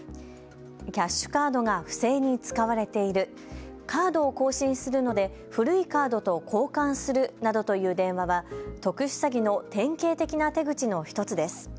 キャッシュカードが不正に使われている、カードを更新するので古いカードと交換するなどという電話は特殊詐欺の典型的な手口の１つです。